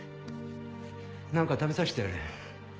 何か食べさせてやれ。